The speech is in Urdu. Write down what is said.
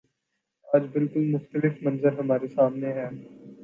آج بالکل مختلف منظر ہمارے سامنے ہے۔